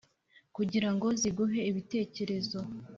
kugira ngo ziguhe ibitekerezo